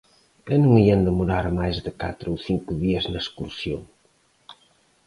E non ían demorar máis de catro ou cinco días na excursión.